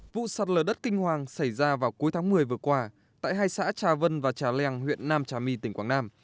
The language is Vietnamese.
vụ sạt lở đất kinh hoàng xảy ra vào cuối tháng một mươi vừa qua tại hai xã trà vân và trà leng huyện nam trà my tỉnh quảng nam